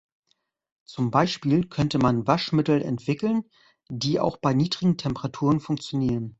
Zum Beispiel könnte man Waschmittel entwickeln, die auch bei niedrigen Temperaturen funktionieren.